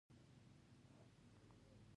غلام حیدرخان خواخوږي درلوده.